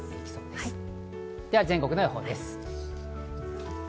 では全国の予報です。